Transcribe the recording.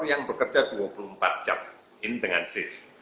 yang bekerja dua puluh empat jam ini dengan shift